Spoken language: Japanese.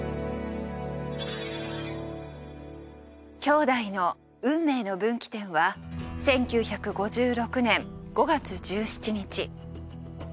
兄弟の運命の分岐点は１９５６年５月１７日。